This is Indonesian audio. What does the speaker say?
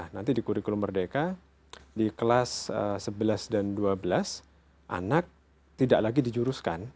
nanti di kurikulum merdeka di kelas sebelas dan dua belas anak tidak lagi dijuruskan